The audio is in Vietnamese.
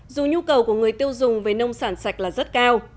dù nhu cầu của người tiêu dùng về nông sản sạch là rất cao